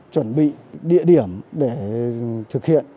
chuẩn bị địa điểm để thực hiện